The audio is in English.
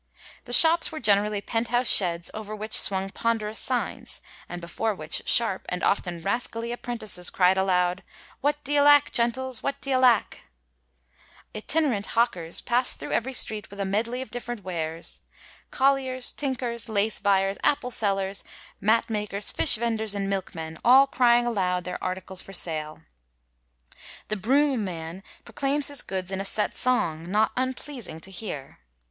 The shops were generally penthouse sheds over which swung ponderous signs, and before which sharp, and often rascally, apprentices cried aloud, • What d'ye lack, gentles ? what d'ye lack ?'* Itinerant hawkers past thru every street with a medley of different wares, colliers, tinkers, lace buyers, apple sellers, mat makers, fish vendors and milkmen, all crying aloud their articles for sale. The broom man proclaims his goods in a set song, not unpleasing to hear.